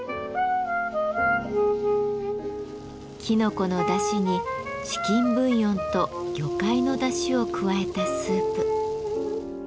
きのこのだしにチキンブイヨンと魚介のだしを加えたスープ。